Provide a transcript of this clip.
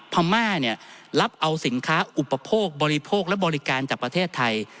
พม่าเนี่ยรับเอาสินค้าอุปโภคบริโภคและบริการจากประเทศไทย